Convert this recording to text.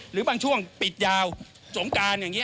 หรือบางช่วงปิดยาวสงการอย่างนี้